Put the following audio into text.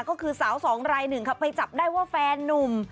ก็คือสาวสองรายหนึ่งค่ะไปจับได้ว่าแฟนนุ่ม